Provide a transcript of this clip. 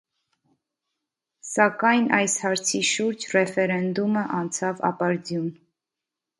Սակայն այս հարցի շուրջ ռեֆերենդումը անցավ ապարդյուն։